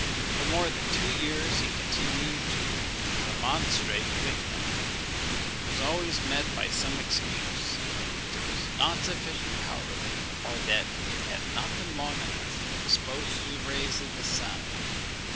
For more than two years he continued to remonstrate with him, and was always met by some excuse, that there was not sufficient powder, or that it had not been long enough exposed to the rays of the sun.